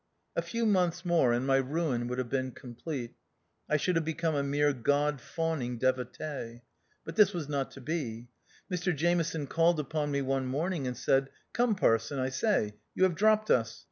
A few months more and my ruin would have been complete. I should have become a mere God fawning devotee. But this was not to be. Mr Jameson called upon me one morning and said :" Come, parson, I say, you have dropped us.